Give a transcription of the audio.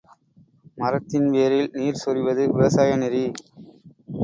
மரத்தின் வேரில் நீர் சொரிவது விவசாய நெறி.